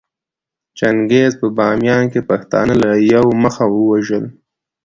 چنګېز په باميان کې پښتانه له يوه مخه ووژل